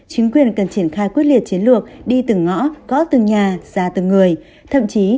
chính quyền cần triển khai quyết liệt chiến lược đi từng ngõ có từng nhà ra từng người